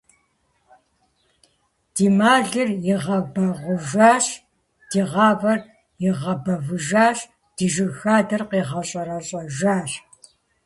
Ди мэлыр игъэбэгъуэжащ, ди гъавэр игъэбэвыжащ, ди жыг хадэр къигъэщӀэрэщӀэжащ!